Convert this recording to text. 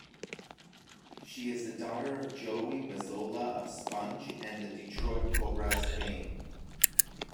She is the daughter of Joey Mazzola of Sponge and The Detroit Cobras fame.